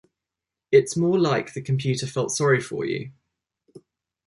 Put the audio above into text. It's more like the computer felt sorry for you.